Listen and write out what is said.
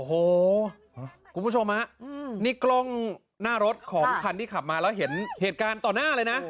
โอ้โหคุณผู้ชมฮะนี่กล้องหน้ารถของคันที่ขับมาแล้วเห็นเหตุการณ์ต่อหน้าเลยนะ